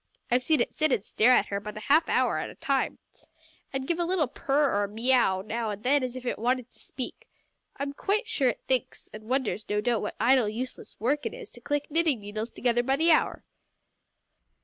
I've seen it sit and stare at her by the half hour at a time, and give a little purr or a meaiow now and then as if it wanted to speak. I'm quite sure it thinks, and wonders no doubt what idle, useless work it is to click knitting needles together by the hour."